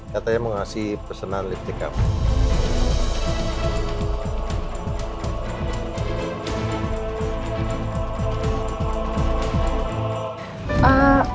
katanya mau ngasih pesanan liftik kamu